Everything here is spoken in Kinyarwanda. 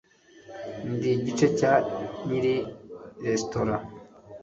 ndi igice cya nyiri resitora